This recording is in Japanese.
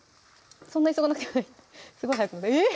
そんな急がなくてもいいすごい早くえっ？